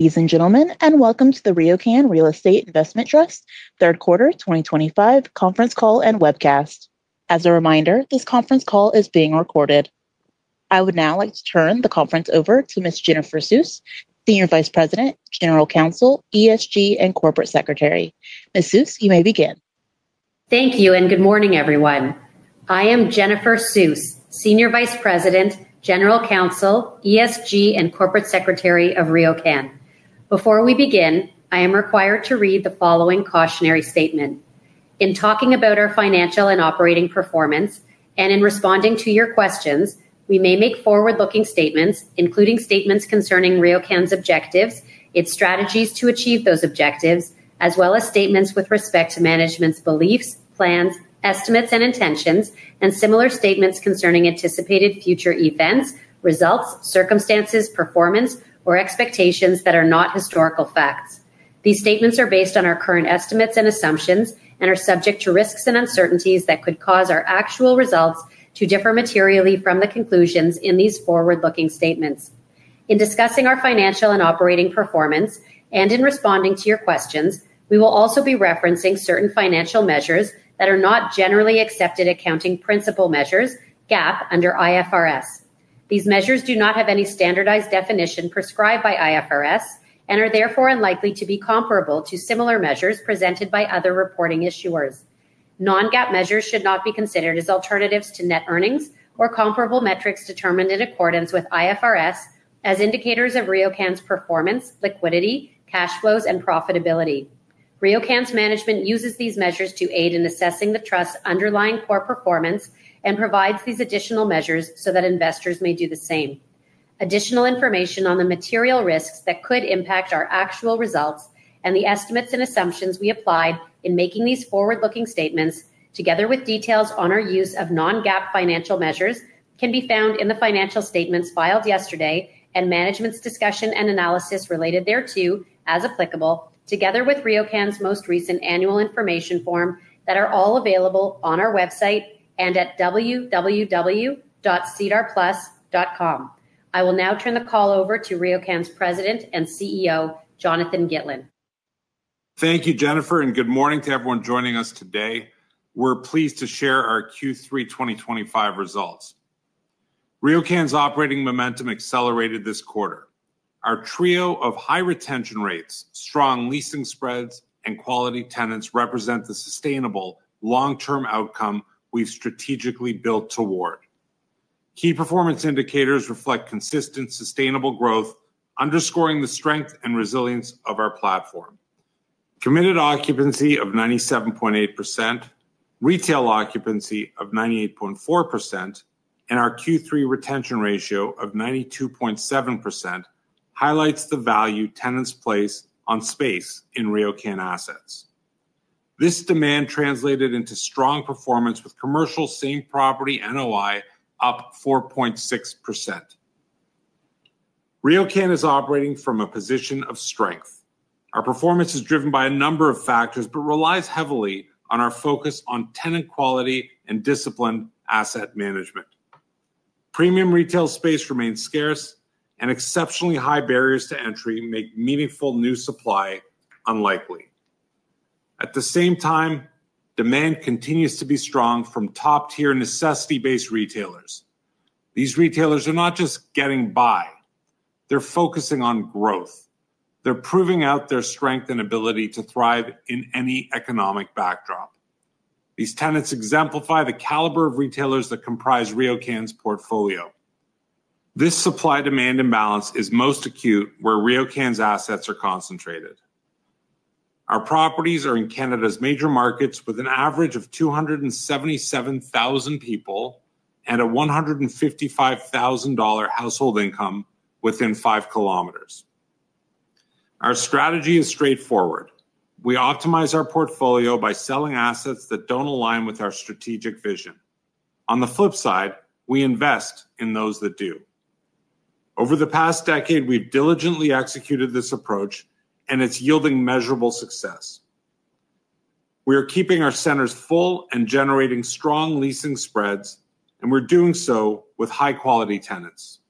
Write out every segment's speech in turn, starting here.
Ladies and gentlemen, and welcome to the RioCan Real Estate Investment Trust, Third Quarter 2025, Conference Call and Webcast. As a reminder, this conference call is being recorded. I would now like to turn the conference over to Ms. Jennifer Suess, Senior Vice President, General Counsel, ESG, and Corporate Secretary. Ms. Suess, you may begin. Thank you, and good morning, everyone. I am Jennifer Suess, Senior Vice President, General Counsel, ESG, and Corporate Secretary of RioCan. Before we begin, I am required to read the following cautionary statement. In talking about our financial and operating performance, and in responding to your questions, we may make forward-looking statements, including statements concerning RioCan's objectives, its strategies to achieve those objectives, as well as statements with respect to management's beliefs, plans, estimates, and intentions, and similar statements concerning anticipated future events, results, circumstances, performance, or expectations that are not historical facts. These statements are based on our current estimates and assumptions and are subject to risks and uncertainties that could cause our actual results to differ materially from the conclusions in these forward-looking statements. In discussing our financial and operating performance, and in responding to your questions, we will also be referencing certain financial measures that are not generally accepted accounting principle measures, GAAP, under IFRS. These measures do not have any standardized definition prescribed by IFRS and are therefore unlikely to be comparable to similar measures presented by other reporting issuers. Non-GAAP measures should not be considered as alternatives to net earnings or comparable metrics determined in accordance with IFRS as indicators of RioCan's performance, liquidity, cash flows, and profitability. RioCan's management uses these measures to aid in assessing the trust's underlying core performance and provides these additional measures so that investors may do the same. Additional information on the material risks that could impact our actual results and the estimates and assumptions we applied in making these forward-looking statements, together with details on our use of non-GAAP financial measures, can be found in the financial statements filed yesterday and management's discussion and analysis related thereto, as applicable, together with RioCan's most recent annual information form that are all available on our website and at www.cdrplus.com. I will now turn the call over to RioCan's President and CEO, Jonathan Gitlin. Thank you, Jennifer, and good morning to everyone joining us today. We're pleased to share our Q3 2025 results. RioCan's operating momentum accelerated this quarter. Our trio of high retention rates, strong leasing spreads, and quality tenants represent the sustainable, long-term outcome we've strategically built toward. Key performance indicators reflect consistent, sustainable growth, underscoring the strength and resilience of our platform. Committed occupancy of 97.8%, retail occupancy of 98.4%, and our Q3 retention ratio of 92.7% highlight the value tenants place on space in RioCan assets. This demand translated into strong performance with commercial same-property NOI up 4.6%. RioCan is operating from a position of strength. Our performance is driven by a number of factors but relies heavily on our focus on tenant quality and disciplined asset management. Premium retail space remains scarce, and exceptionally high barriers to entry make meaningful new supply unlikely. At the same time, demand continues to be strong from top-tier necessity-based retailers. These retailers are not just getting by. They're focusing on growth. They're proving out their strength and ability to thrive in any economic backdrop. These tenants exemplify the caliber of retailers that comprise RioCan's portfolio. This supply-demand imbalance is most acute where RioCan's assets are concentrated. Our properties are in Canada's major markets with an average of 277,000 people and a 155,000 dollar household income within 5 km. Our strategy is straightforward. We optimize our portfolio by selling assets that do not align with our strategic vision. On the flip side, we invest in those that do. Over the past decade, we've diligently executed this approach, and it is yielding measurable success. We are keeping our centers full and generating strong leasing spreads, and we're doing so with high-quality tenants.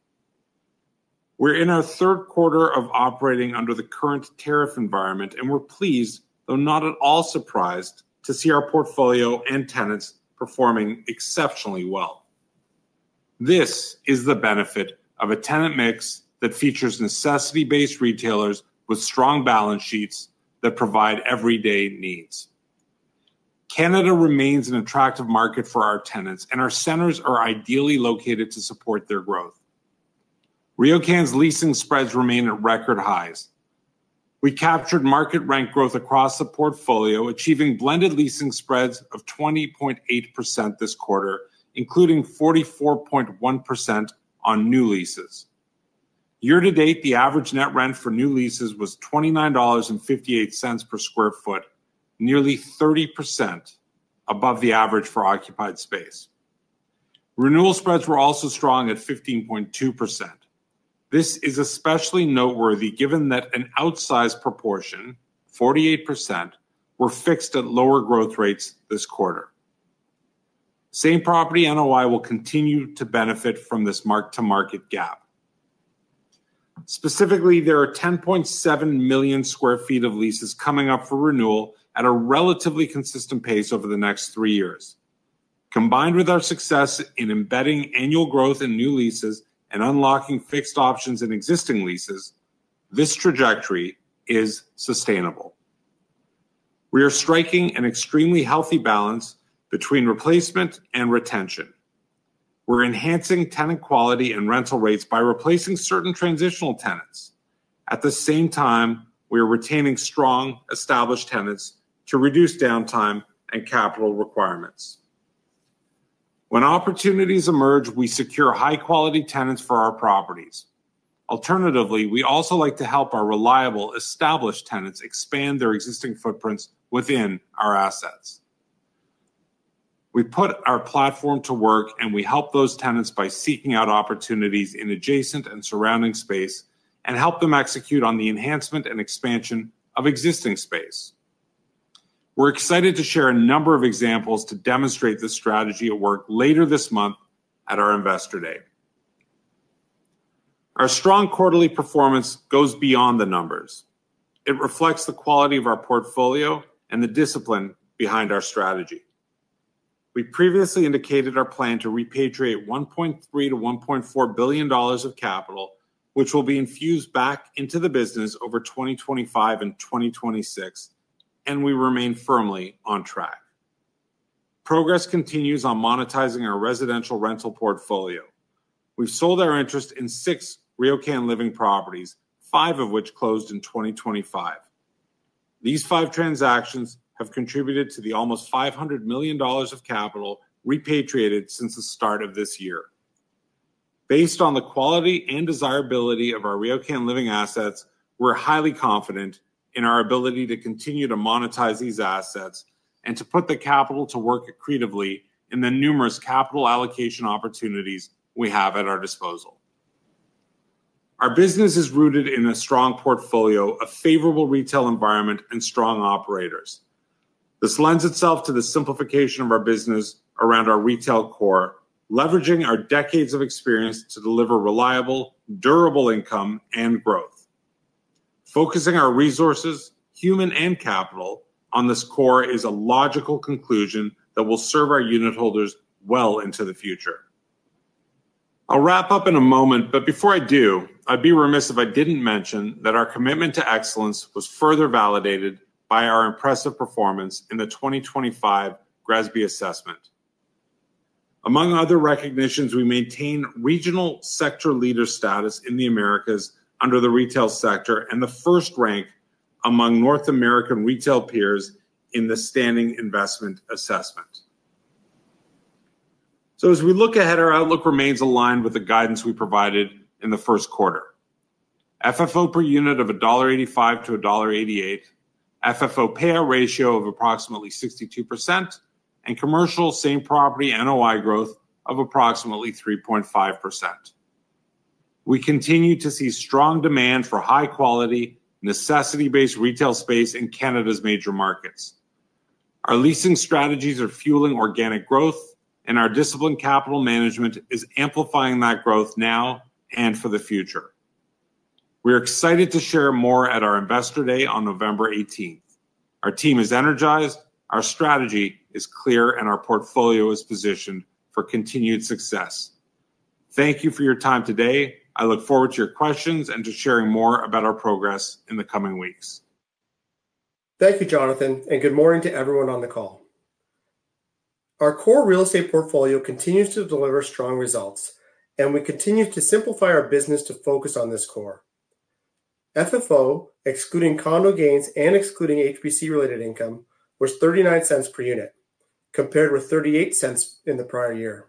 We're in our third quarter of operating under the current tariff environment, and we're pleased, though not at all surprised, to see our portfolio and tenants performing exceptionally well. This is the benefit of a tenant mix that features necessity-based retailers with strong balance sheets that provide everyday needs. Canada remains an attractive market for our tenants, and our centers are ideally located to support their growth. RioCan's leasing spreads remain at record highs. We captured market-ranked growth across the portfolio, achieving blended leasing spreads of 20.8% this quarter, including 44.1% on new leases. Year-to-date, the average net rent for new leases was 29.58 dollars per sq ft, nearly 30% above the average for occupied space. Renewal spreads were also strong at 15.2%. This is especially noteworthy given that an outsized proportion, 48%, were fixed at lower growth rates this quarter. Same-property NOI will continue to benefit from this mark-to-market gap. Specifically, there are 10.7 million sq ft of leases coming up for renewal at a relatively consistent pace over the next three years. Combined with our success in embedding annual growth in new leases and unlocking fixed options in existing leases, this trajectory is sustainable. We are striking an extremely healthy balance between replacement and retention. We're enhancing tenant quality and rental rates by replacing certain transitional tenants. At the same time, we are retaining strong, established tenants to reduce downtime and capital requirements. When opportunities emerge, we secure high-quality tenants for our properties. Alternatively, we also like to help our reliable, established tenants expand their existing footprints within our assets. We put our platform to work, and we help those tenants by seeking out opportunities in adjacent and surrounding space and help them execute on the enhancement and expansion of existing space. We're excited to share a number of examples to demonstrate this strategy at work later this month at our Investor Day. Our strong quarterly performance goes beyond the numbers. It reflects the quality of our portfolio and the discipline behind our strategy. We previously indicated our plan to repatriate 1.3 billion-1.4 billion dollars of capital, which will be infused back into the business over 2025 and 2026, and we remain firmly on track. Progress continues on monetizing our residential rental portfolio. We've sold our interest in six RioCan Living properties, five of which closed in 2025. These five transactions have contributed to the almost 500 million dollars of capital repatriated since the start of this year. Based on the quality and desirability of our RioCan Living assets, we're highly confident in our ability to continue to monetize these assets and to put the capital to work accretively in the numerous capital allocation opportunities we have at our disposal. Our business is rooted in a strong portfolio, a favorable retail environment, and strong operators. This lends itself to the simplification of our business around our retail core, leveraging our decades of experience to deliver reliable, durable income and growth. Focusing our resources, human, and capital on this core is a logical conclusion that will serve our unit holders well into the future. I'll wrap up in a moment, but before I do, I'd be remiss if I didn't mention that our commitment to excellence was further validated by our impressive performance in the 2025 GRESB assessment. Among other recognitions, we maintain regional sector leader status in the Americas under the retail sector and the first rank among North American retail peers in the standing investment assessment. As we look ahead, our outlook remains aligned with the guidance we provided in the first quarter: FFO per unit of 1.85-1.88 dollar, FFO Payout Ratio of approximately 62%, and commercial same-property NOI growth of approximately 3.5%. We continue to see strong demand for high-quality, necessity-based retail space in Canada's major markets. Our leasing strategies are fueling organic growth, and our disciplined capital management is amplifying that growth now and for the future. We are excited to share more at our Investor Day on November 18th. Our team is energized, our strategy is clear, and our portfolio is positioned for continued success. Thank you for your time today. I look forward to your questions and to sharing more about our progress in the coming weeks. Thank you, Jonathan, and good morning to everyone on the call. Our core real estate portfolio continues to deliver strong results, and we continue to simplify our business to focus on this core. FFO, excluding condo gains and excluding HBC-related income, was 0.39 per unit, compared with 0.38 in the prior year.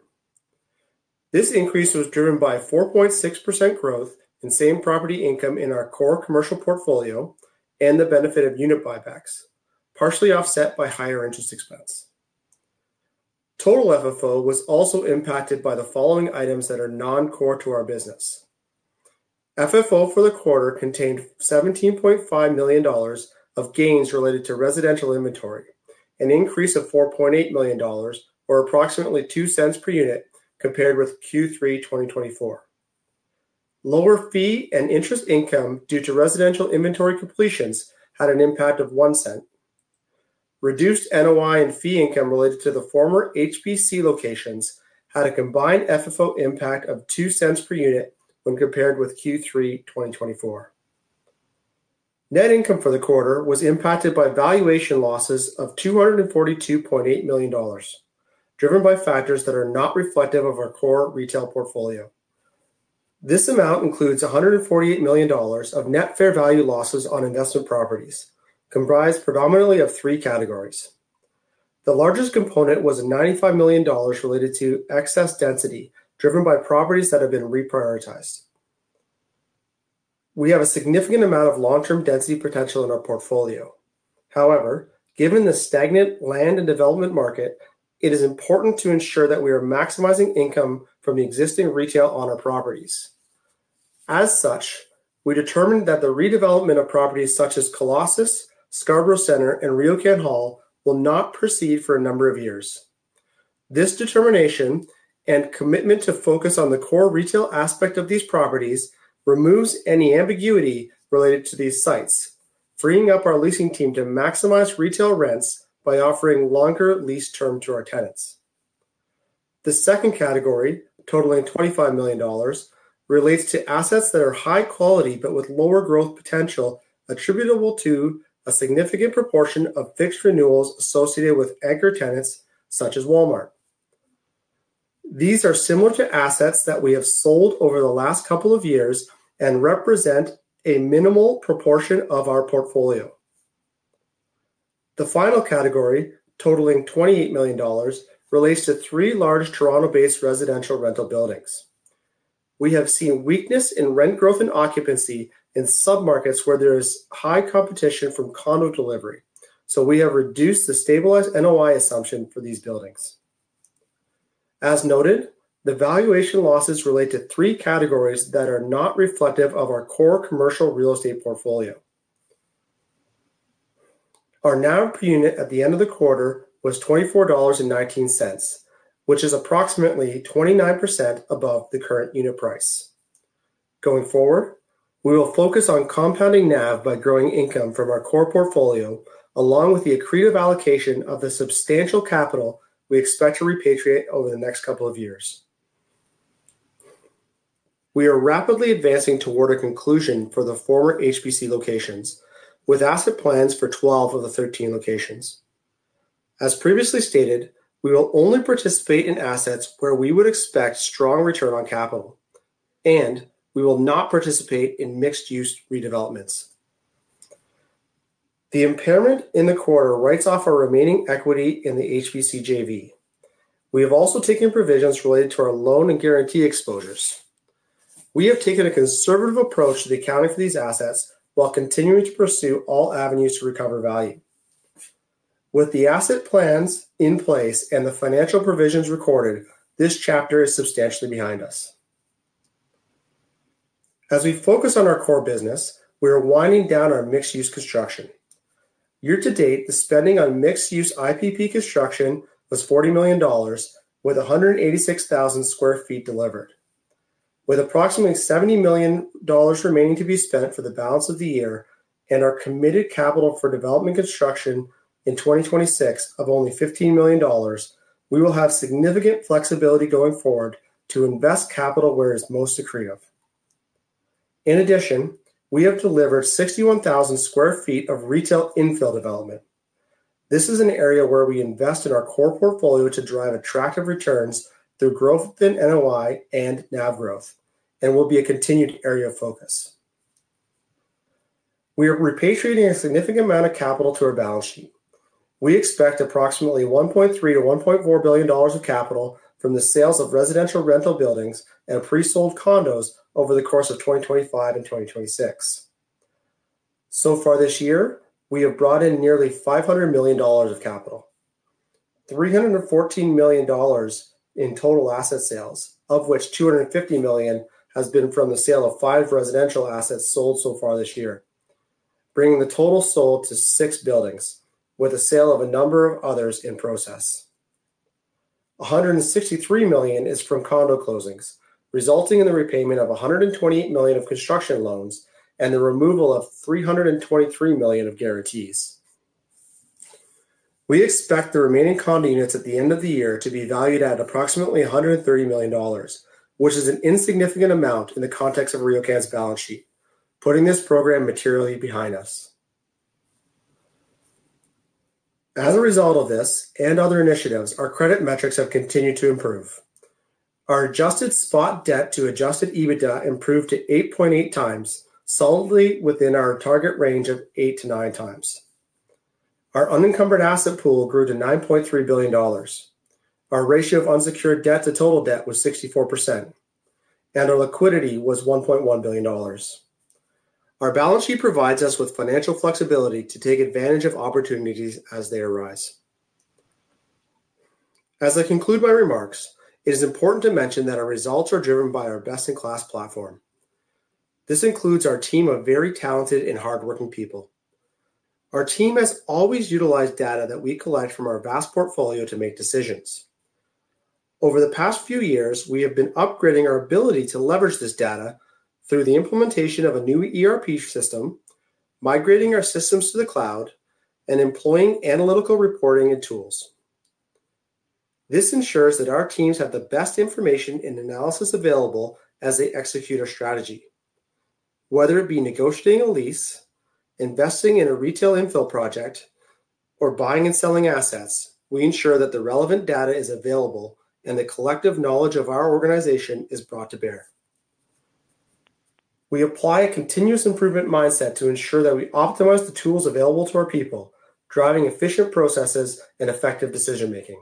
This increase was driven by 4.6% growth in same-property income in our core commercial portfolio and the benefit of unit buybacks, partially offset by higher interest expense. Total FFO was also impacted by the following items that are non-core to our business. FFO for the quarter contained 17.5 million dollars of gains related to residential inventory, an increase of 4.8 million dollars, or approximately 0.02 per unit, compared with Q3 2024. Lower fee and interest income due to residential inventory completions had an impact of 0.01. Reduced NOI and fee income related to the former HBC locations had a combined FFO impact of $0.02 per unit when compared with Q3 2024. Net income for the quarter was impacted by valuation losses of 242.8 million dollars, driven by factors that are not reflective of our core retail portfolio. This amount includes 148 million dollars of net fair value losses on investment properties, comprised predominantly of three categories. The largest component was 95 million dollars related to excess density, driven by properties that have been reprioritized. We have a significant amount of long-term density potential in our portfolio. However, given the stagnant land and development market, it is important to ensure that we are maximizing income from the existing retail on our properties. As such, we determined that the redevelopment of properties such as Colossus, Scarborough Center, and RioCan Hall will not proceed for a number of years. This determination and commitment to focus on the core retail aspect of these properties removes any ambiguity related to these sites, freeing up our leasing team to maximize retail rents by offering longer lease terms to our tenants. The second category, totaling 25 million dollars, relates to assets that are high quality but with lower growth potential attributable to a significant proportion of fixed renewals associated with anchor tenants such as Walmart. These are similar to assets that we have sold over the last couple of years and represent a minimal proportion of our portfolio. The final category, totaling 28 million dollars, relates to three large Toronto-based residential rental buildings. We have seen weakness in rent growth and occupancy in sub-markets where there is high competition from condo delivery, so we have reduced the stabilized NOI assumption for these buildings. As noted, the valuation losses relate to three categories that are not reflective of our core commercial real estate portfolio. Our NAV per unit at the end of the quarter was 24.19 dollars, which is approximately 29% above the current unit price. Going forward, we will focus on compounding NAV by growing income from our core portfolio, along with the accretive allocation of the substantial capital we expect to repatriate over the next couple of years. We are rapidly advancing toward a conclusion for the former HBC locations, with asset plans for 12 of the 13 locations. As previously stated, we will only participate in assets where we would expect strong return on capital, and we will not participate in mixed-use redevelopments. The impairment in the quarter writes off our remaining equity in the HBC JV. We have also taken provisions related to our loan and guarantee exposures. We have taken a conservative approach to the accounting for these assets while continuing to pursue all avenues to recover value. With the asset plans in place and the financial provisions recorded, this chapter is substantially behind us. As we focus on our core business, we are winding down our mixed-use construction. Year-to-date, the spending on mixed-use IPP construction was 40 million dollars, with 186,000 sq ft delivered. With approximately 70 million dollars remaining to be spent for the balance of the year and our committed capital for development construction in 2026 of only 15 million dollars, we will have significant flexibility going forward to invest capital where it is most accretive. In addition, we have delivered 61,000 sq ft of retail infill development. This is an area where we invest in our core portfolio to drive attractive returns through growth in NOI and NAV growth, and will be a continued area of focus. We are repatriating a significant amount of capital to our balance sheet. We expect approximately 1.3 billion-1.4 billion dollars of capital from the sales of residential rental buildings and pre-sold condos over the course of 2025 and 2026. So far this year, we have brought in nearly 500 million dollars of capital, 314 million dollars in total asset sales, of which 250 million has been from the sale of five residential assets sold so far this year, bringing the total sold to six buildings, with the sale of a number of others in process. 163 million is from condo closings, resulting in the repayment of 128 million of construction loans and the removal of 323 million of guarantees. We expect the remaining condo units at the end of the year to be valued at approximately 130 million dollars, which is an insignificant amount in the context of RioCan's balance sheet, putting this program materially behind us. As a result of this and other initiatives, our credit metrics have continued to improve. Our Adjusted Spot Debt to Adjusted EBITDA improved to 8.8x, solidly within our target range of 8x-9x. Our unencumbered asset pool grew to 9.3 billion dollars. Our Ratio of Unsecured Debt to Total Debt was 64%, and our liquidity was 1.1 billion dollars. Our balance sheet provides us with financial flexibility to take advantage of opportunities as they arise. As I conclude my remarks, it is important to mention that our results are driven by our best-in-class platform. This includes our team of very talented and hardworking people. Our team has always utilized data that we collect from our vast portfolio to make decisions. Over the past few years, we have been upgrading our ability to leverage this data through the implementation of a new ERP system, migrating our systems to the cloud, and employing analytical reporting and tools. This ensures that our teams have the best information and analysis available as they execute our strategy. Whether it be negotiating a lease, investing in a retail infill project, or buying and selling assets, we ensure that the relevant data is available and the collective knowledge of our organization is brought to bear. We apply a continuous improvement mindset to ensure that we optimize the tools available to our people, driving efficient processes and effective decision-making.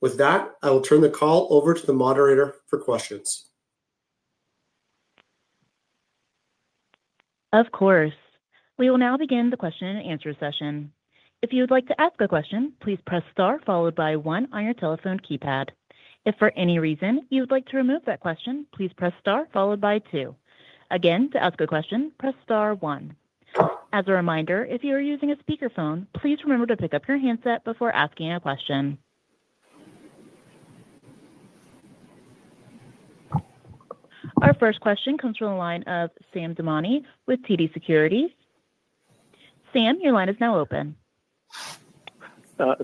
With that, I will turn the call over to the moderator for questions. Of course. We will now begin the question-and-answer session. If you would like to ask a question, please press star followed by one on your telephone keypad. If for any reason you would like to remove that question, please press star followed by two. Again, to ask a question, press star one. As a reminder, if you are using a speakerphone, please remember to pick up your handset before asking a question. Our first question comes from the line of Sam Damiani with TD Securities. Sam, your line is now open.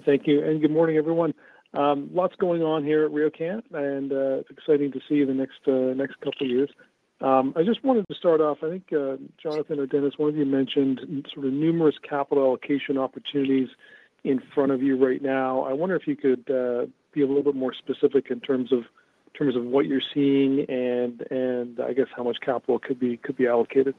Thank you. Good morning, everyone. Lots going on here at RioCan, and it's exciting to see you the next couple of years. I just wanted to start off, I think Jonathan or Dennis, one of you mentioned sort of numerous capital allocation opportunities in front of you right now. I wonder if you could be a little bit more specific in terms of what you're seeing and, I guess, how much capital could be allocated.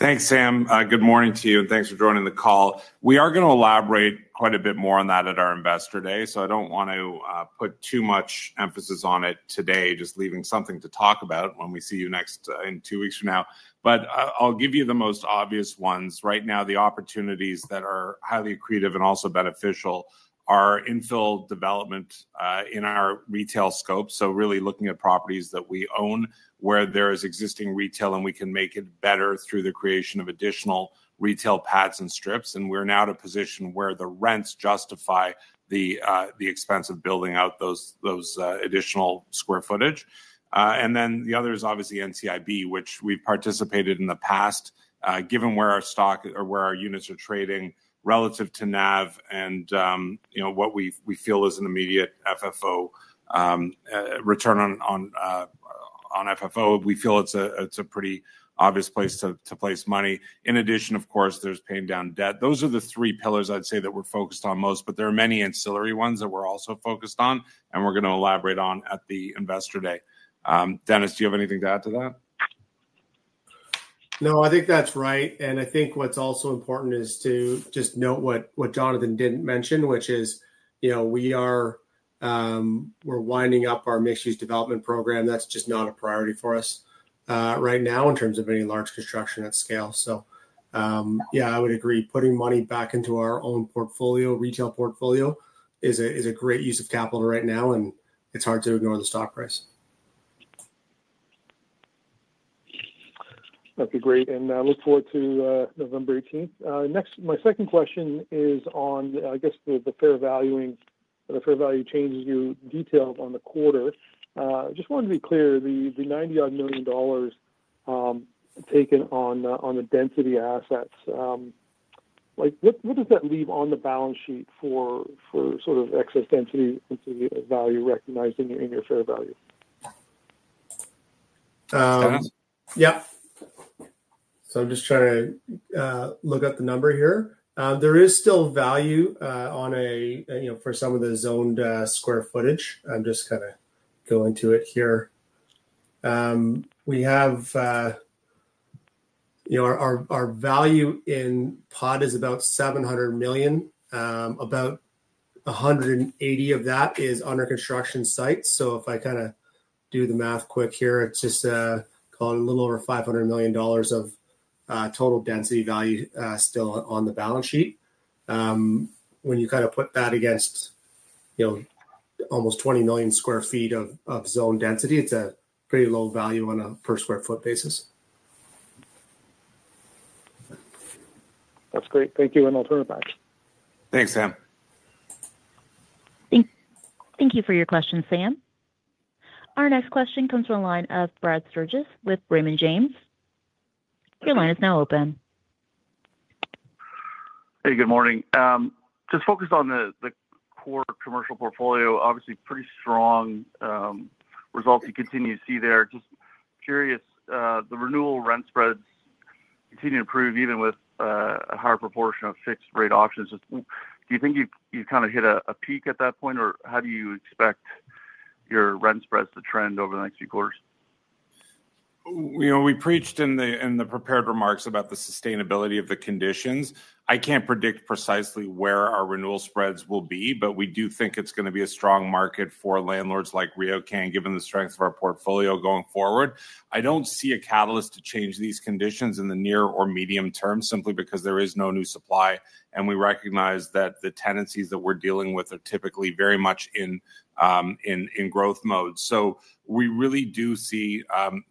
Thanks, Sam. Good morning to you, and thanks for joining the call. We are going to elaborate quite a bit more on that at our Investor Day, so I do not want to put too much emphasis on it today, just leaving something to talk about when we see you next in two weeks from now. I will give you the most obvious ones. Right now, the opportunities that are highly accretive and also beneficial are infill development in our retail scope. Really looking at properties that we own where there is existing retail and we can make it better through the creation of additional retail pads and strips. We are now at a position where the rents justify the expense of building out those additional square footage. The other is obviously NCIB, which we've participated in the past, given where our stock or where our units are trading relative to NAV and what we feel is an immediate FFO return on FFO. We feel it's a pretty obvious place to place money. In addition, of course, there's paying down debt. Those are the three pillars I'd say that we're focused on most, but there are many ancillary ones that we're also focused on and we're going to elaborate on at the Investor Day. Dennis, do you have anything to add to that? No, I think that's right. I think what's also important is to just note what Jonathan didn't mention, which is we're winding up our mixed-use development program. That's just not a priority for us right now in terms of any large construction at scale. Yeah, I would agree. Putting money back into our own portfolio, retail portfolio, is a great use of capital right now, and it's hard to ignore the stock price. Okay, great. I look forward to November 18th. My second question is on, I guess, the fair value changes you detailed on the quarter. I just wanted to be clear, the 90 million dollars taken on the density assets, what does that leave on the balance sheet for sort of excess density value recognizing in your fair value? Yeah. I'm just trying to look at the number here. There is still value for some of the zoned square footage. I'm just kind of going to it here. Our value in pot is about 700 million. About 180 million of that is under construction sites. If I kind of do the math quick here, it's just a little over 500 million dollars of total density value still on the balance sheet. When you kind of put that against almost 20 million sq ft of zoned density, it's a pretty low value on a per sq ft basis. That's great. Thank you. I'll turn it back. Thanks, Sam. Thank you for your question, Sam. Our next question comes from the line of Brad Sturges with Raymond James. Your line is now open. Hey, good morning. Just focused on the core commercial portfolio, obviously pretty strong results you continue to see there. Just curious, the renewal rent spreads continue to improve even with a higher proportion of fixed-rate options. Do you think you've kind of hit a peak at that point, or how do you expect your rent spreads to trend over the next few quarters? We preached in the prepared remarks about the sustainability of the conditions. I can't predict precisely where our renewal spreads will be, but we do think it's going to be a strong market for landlords like RioCan given the strength of our portfolio going forward. I don't see a catalyst to change these conditions in the near or medium term simply because there is no new supply, and we recognize that the tenancies that we're dealing with are typically very much in growth mode. We really do see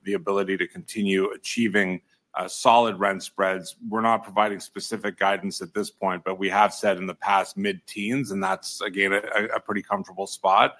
the ability to continue achieving solid rent spreads. We're not providing specific guidance at this point, but we have said in the past mid-teens, and that's, again, a pretty comfortable spot.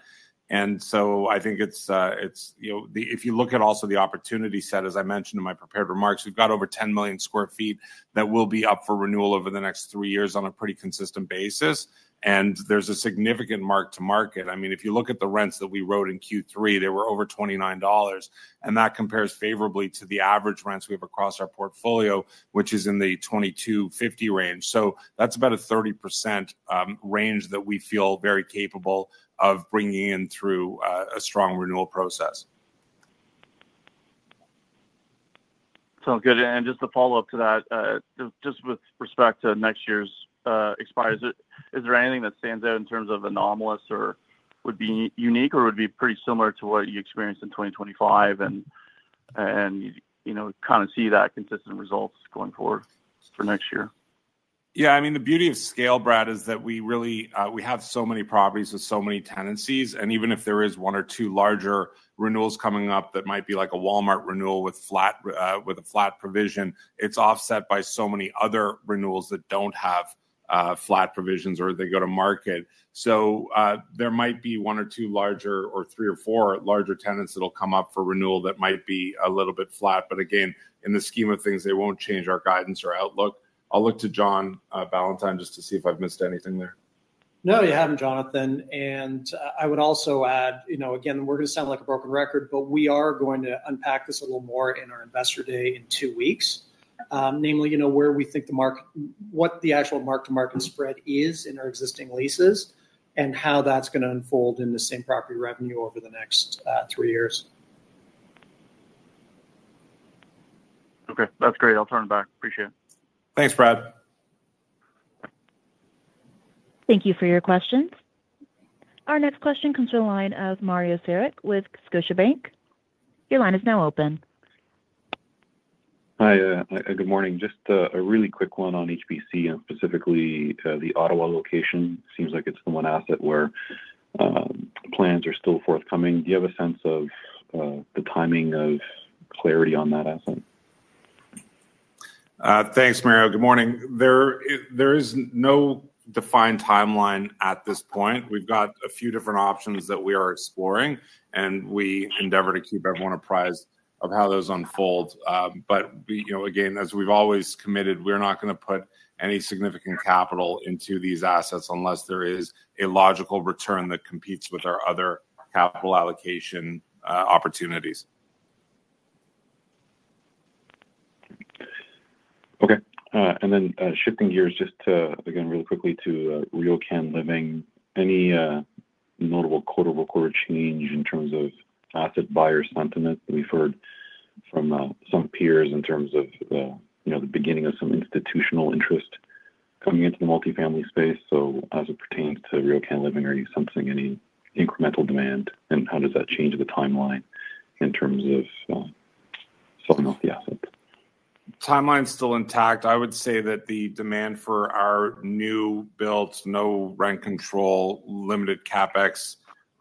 I think if you look at also the opportunity set, as I mentioned in my prepared remarks, we've got over 10 million sq ft that will be up for renewal over the next three years on a pretty consistent basis. There's a significant mark-to-market. I mean, if you look at the rents that we wrote in Q3, they were over 29 dollars, and that compares favorably to the average rents we have across our portfolio, which is in the 22.50 range. That's about a 30% range that we feel very capable of bringing in through a strong renewal process. Sounds good. Just a follow-up to that, just with respect to next year's expires, is there anything that stands out in terms of anomalous or would be unique or would it be pretty similar to what you experienced in 2025 and kind of see that consistent results going forward for next year? Yeah. I mean, the beauty of scale, Brad, is that we have so many properties with so many tenancies. And even if there is one or two larger renewals coming up that might be like a Walmart renewal with a flat provision, it is offset by so many other renewals that do not have flat provisions or they go to market. There might be one or two larger or three or four larger tenants that will come up for renewal that might be a little bit flat. Again, in the scheme of things, they will not change our guidance or outlook. I will look to John Ballantyne just to see if I have missed anything there. No, you haven't, Jonathan. I would also add, again, we're going to sound like a broken record, but we are going to unpack this a little more in our Investor Day in two weeks, namely where we think the market, what the actual mark-to-market spread is in our existing leases, and how that's going to unfold in the same property revenue over the next three years. Okay. That's great. I'll turn it back. Appreciate it. Thanks, Brad. Thank you for your questions. Our next question comes from the line of Mario Saric with Scotiabank. Your line is now open. Hi, good morning. Just a really quick one on HBC and specifically the Ottawa location. Seems like it's the one asset where plans are still forthcoming. Do you have a sense of the timing of clarity on that asset? Thanks, Mario. Good morning. There is no defined timeline at this point. We've got a few different options that we are exploring, and we endeavor to keep everyone apprised of how those unfold. As we've always committed, we're not going to put any significant capital into these assets unless there is a logical return that competes with our other capital allocation opportunities. Okay. And then shifting gears just to, again, really quickly to RioCan Living, any notable quarter-over-quarter change in terms of asset buyer sentiment that we've heard from some peers in terms of the beginning of some institutional interest coming into the multifamily space? As it pertains to RioCan Living, are you sensing any incremental demand, and how does that change the timeline in terms of selling off the asset? Timeline's still intact. I would say that the demand for our new-built, no-rent-control, limited-CapEx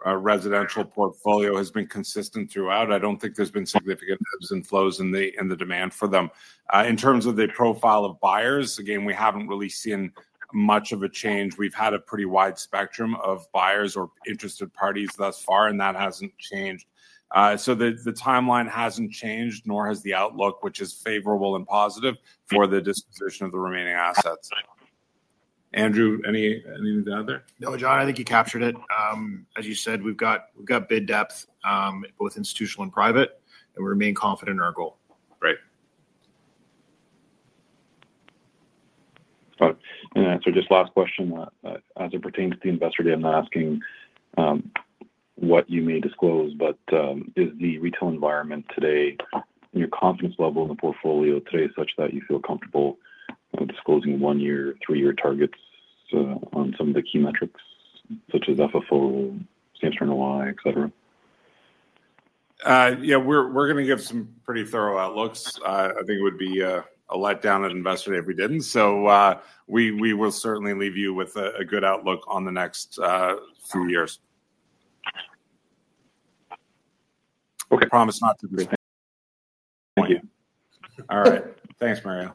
residential portfolio has been consistent throughout. I do not think there's been significant ebbs and flows in the demand for them. In terms of the profile of buyers, again, we have not really seen much of a change. We've had a pretty wide spectrum of buyers or interested parties thus far, and that has not changed. The timeline has not changed, nor has the outlook, which is favorable and positive for the disposition of the remaining assets. Andrew, anything to add there? No, John, I think you captured it. As you said, we've got bid depth, both institutional and private, and we remain confident in our goal. Great. Just last question. As it pertains to the Investor Day, I'm not asking what you may disclose, but is the retail environment today and your confidence level in the portfolio today such that you feel comfortable disclosing one-year, three-year targets on some of the key metrics such as FFO, Sam's Turn One, etc.? Yeah, we're going to give some pretty thorough outlooks. I think it would be a letdown at Investor Day if we didn't. So we will certainly leave you with a good outlook on the next few years. I promise not to. Thank you. All right. Thanks, Mario.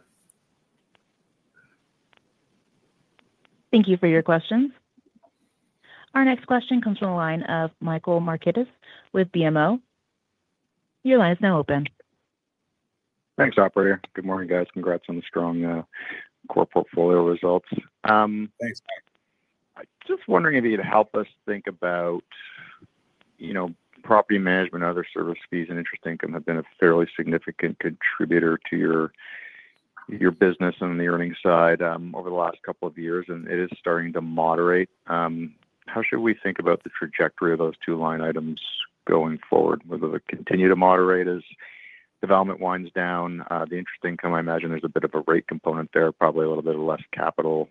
Thank you for your questions. Our next question comes from the line of Michael Marquittis with BMO. Your line is now open. Thanks, operator. Good morning, guys. Congrats on the strong core portfolio results. Thanks, Mario. I'm just wondering if you'd help us think about property management, other service fees, and interest income have been a fairly significant contributor to your business on the earnings side over the last couple of years, and it is starting to moderate. How should we think about the trajectory of those two line items going forward? Will it continue to moderate as development winds down? The interest income, I imagine there's a bit of a rate component there, probably a little bit of less capital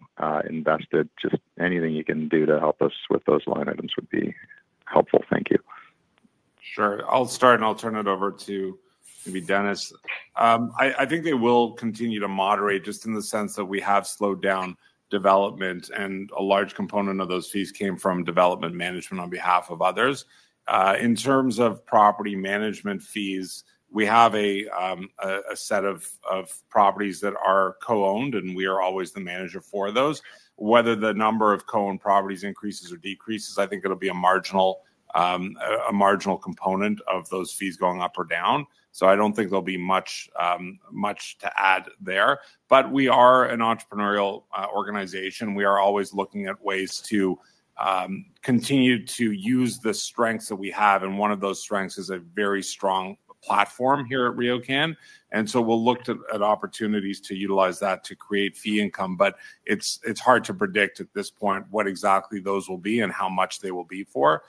invested. Just anything you can do to help us with those line items would be helpful. Thank you. Sure. I'll start, and I'll turn it over to maybe Dennis. I think they will continue to moderate just in the sense that we have slowed down development, and a large component of those fees came from development management on behalf of others. In terms of property management fees, we have a set of properties that are co-owned, and we are always the manager for those. Whether the number of co-owned properties increases or decreases, I think it'll be a marginal component of those fees going up or down. I don't think there'll be much to add there. We are an entrepreneurial organization. We are always looking at ways to continue to use the strengths that we have. One of those strengths is a very strong platform here at RioCan. We will look at opportunities to utilize that to create fee income. It's hard to predict at this point what exactly those will be and how much they will be for.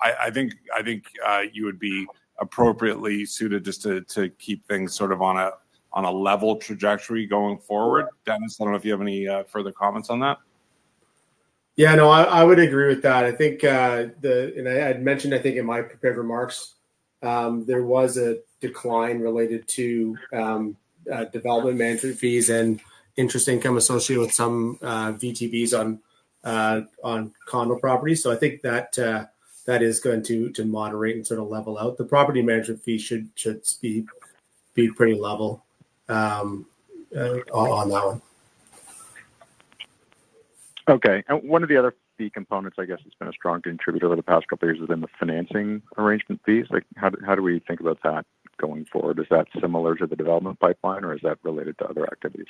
I think you would be appropriately suited just to keep things sort of on a level trajectory going forward. Dennis, I don't know if you have any further comments on that. Yeah, no, I would agree with that. I think, and I had mentioned, I think, in my prepared remarks, there was a decline related to development management fees and interest income associated with some VTBs on condo properties. I think that is going to moderate and sort of level out. The property management fee should be pretty level on that one. Okay. One of the other fee components, I guess, that's been a strong contributor over the past couple of years has been the financing arrangement fees. How do we think about that going forward? Is that similar to the development pipeline, or is that related to other activities?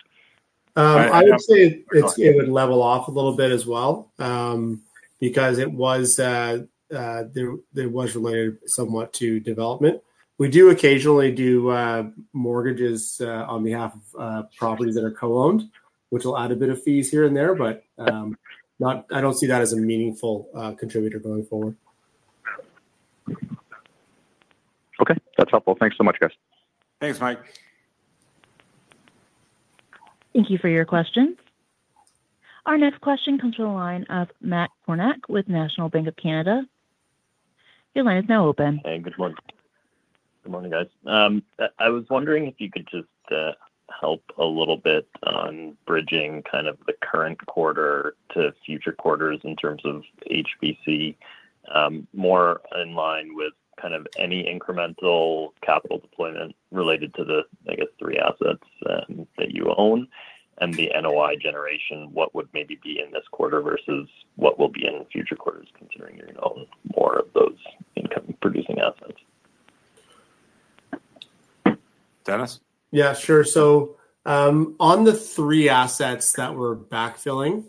I would say it would level off a little bit as well because it was related somewhat to development. We do occasionally do mortgages on behalf of properties that are co-owned, which will add a bit of fees here and there, but I don't see that as a meaningful contributor going forward. Okay. That's helpful. Thanks so much, guys. Thanks, Mike. Thank you for your questions. Our next question comes from the line of Matt Kornack with National Bank of Canada. Your line is now open. Hey, good morning. Good morning, guys. I was wondering if you could just help a little bit on bridging kind of the current quarter to future quarters in terms of HBC, more in line with kind of any incremental capital deployment related to the, I guess, three assets that you own and the NOI generation. What would maybe be in this quarter versus what will be in future quarters considering you're going to own more of those income-producing assets? Dennis? Yeah, sure. On the three assets that we're backfilling,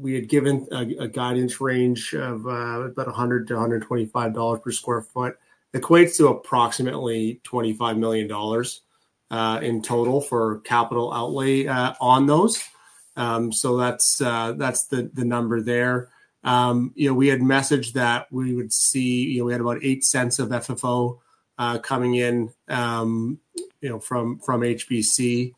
we had given a guidance range of about 100-125 dollars per sq ft. It equates to approximately 25 million dollars in total for capital outlay on those. That's the number there. We had messaged that we would see we had about $0.08 of FFO coming in from HBC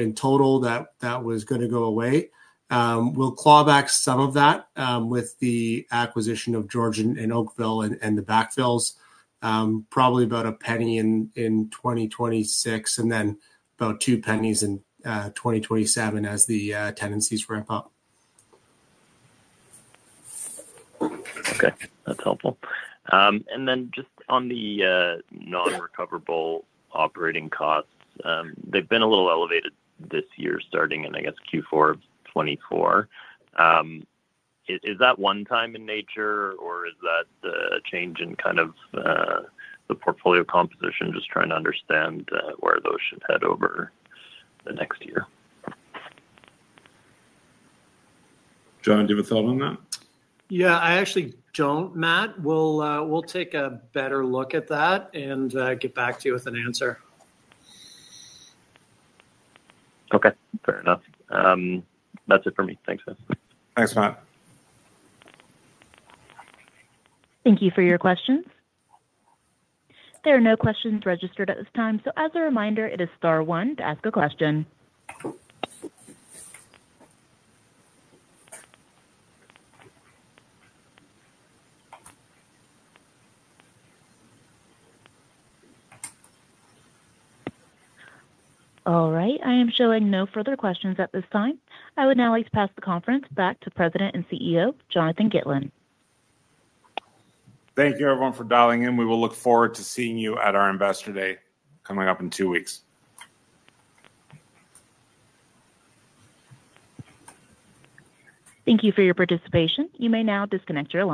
in total that was going to go away. We'll claw back some of that with the acquisition of Georgian and Oakville and the backfills, probably about $0.01 in 2026 and then about $0.02 in 2027 as the tenancies ramp up. Okay. That's helpful. And then just on the non-recoverable operating costs, they've been a little elevated this year starting in, I guess, Q4 2024. Is that one-time in nature, or is that a change in kind of the portfolio composition, just trying to understand where those should head over the next year? John, do you have a thought on that? Yeah, I actually don't, Matt. We'll take a better look at that and get back to you with an answer. Okay. Fair enough. That's it for me. Thanks, guys. Thanks, Matt. Thank you for your questions. There are no questions registered at this time. As a reminder, it is star one to ask a question. All right. I am showing no further questions at this time. I would now like to pass the conference back to President and CEO, Jonathan Gitlin. Thank you, everyone, for dialing in. We will look forward to seeing you at our Investor Day coming up in two weeks. Thank you for your participation. You may now disconnect your line.